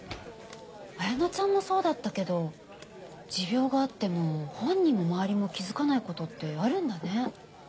彩名ちゃんもそうだったけど持病があっても本人も周りも気づかないことってあるんだね。